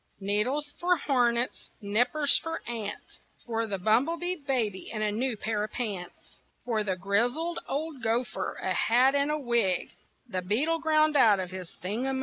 Needles for hornets, nippers for ants, For the bumblebee baby a new pair of pants, For the grizzled old gopher a hat and a wig, The beetle ground out of his thingum a jig.